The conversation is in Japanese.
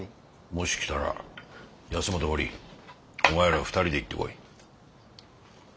もし来たら保本森お前ら２人で行ってこい。